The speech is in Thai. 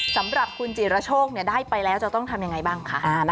สำหรับคุณจิรโชคได้ไปแล้วจะต้องทำยังไงบ้างคะ